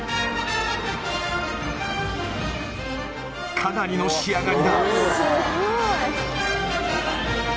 かなりの仕上がりだ。